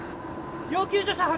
要救助者発見！